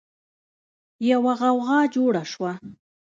يوه غوغا جوړه شوه.